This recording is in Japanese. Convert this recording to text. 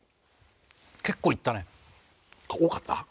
結構いったね多かった？